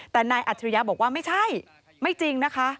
แต่นายอัจฉริยะบอกว่าไม่ใช่ไม่จริงนะคะ